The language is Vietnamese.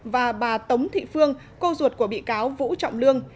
và bà tống thị phương cô ruột của bị cáo vũ trọng lương